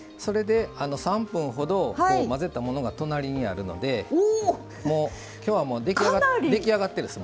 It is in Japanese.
３分ほど混ぜたものが隣にあるので今日は出来上がって。